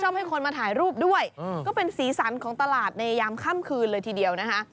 ให้คนมาถ่ายรูปด้วยก็เป็นสีสันของตลาดในยามค่ำคืนเลยทีเดียวนะคะ